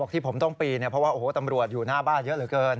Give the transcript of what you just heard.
ที่ผมต้องปีนเพราะว่าโอ้โหตำรวจอยู่หน้าบ้านเยอะเหลือเกิน